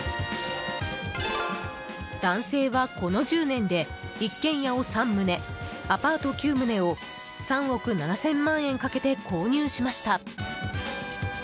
男性はこの１０年で一軒家を３棟、アパート９棟を３億７０００万円かけて購入しました。